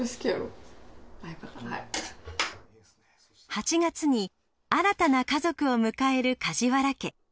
８月に新たな家族を迎える梶原家。